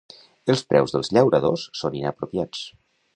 Els preus dels llauradors són inapropiats